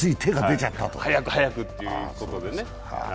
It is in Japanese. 早く、早くっていうことでね。